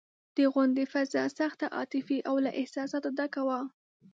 د غونډې فضا سخته عاطفي او له احساساتو ډکه وه.